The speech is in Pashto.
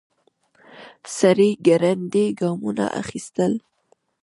سړی ګړندي ګامونه اخيستل.